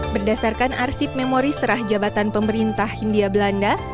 berdasarkan arsip memori serah jabatan pemerintah hindia belanda